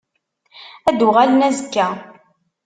Ad d-uɣalen azekka?